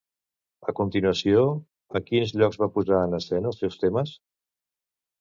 A continuació, en quins llocs va posar en escena els seus temes?